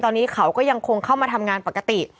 ตอนนี้เขาก็ยังคงเข้ามาทำงานปกติ